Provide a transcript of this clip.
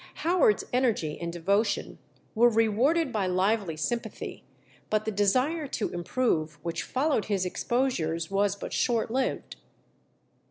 Howard's energy and devotion were rewarded by lively sympathy, but the desire to improve which followed his exposures was but short lived.